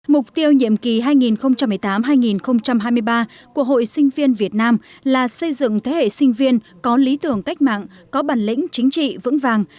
mục tiêu nhiệm kỳ hai nghìn một mươi tám hai nghìn hai mươi ba của hội sinh viên việt nam là xây dựng thế hệ sinh viên có lý tưởng cách mạng có bản lĩnh chính trị vững vàng